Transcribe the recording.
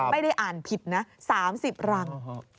ไม่ได้อ่านผิดนะ๓๐รัง